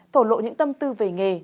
thổ lộ những tâm tư về nghề